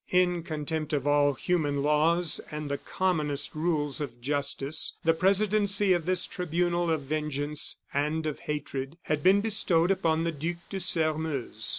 In contempt of all human laws and the commonest rules of justice, the presidency of this tribunal of vengeance and of hatred had been bestowed upon the Duc de Sairmeuse.